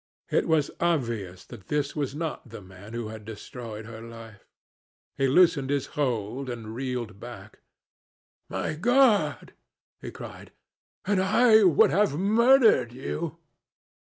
It was obvious that this was not the man who had destroyed her life. He loosened his hold and reeled back. "My God! my God!" he cried, "and I would have murdered you!"